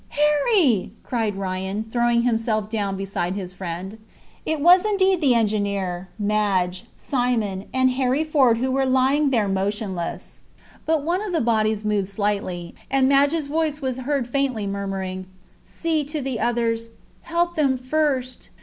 Harry!" cried Ryan, throwing himself down beside his friend. It was indeed the engineer, Madge, Simon, and Harry Ford who were lying there motionless. But one of the bodies moved slightly, and Madge's voice was heard faintly murmuring, "See to the others! help them first!"